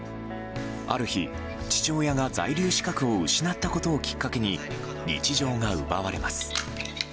ある日、父親が在留資格を失ったことをきっかけに日常が奪われます。